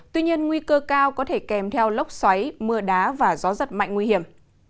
tuy nhiên nguy cơ cao có thể kèm theo lốc xoáy mưa đá và gió giật mạnh nguy hiểm